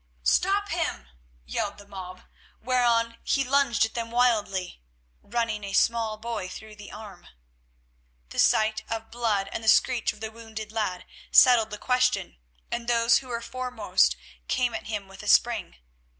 "Stop him," yelled the mob, whereon he lunged at them wildly, running a small boy through the arm. The sight of blood and the screech of the wounded lad settled the question, and those who were foremost came at him with a spring.